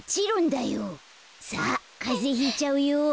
さあかぜひいちゃうよ。